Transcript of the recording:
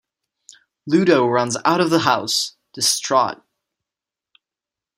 Ludo runs out of the house, distraught.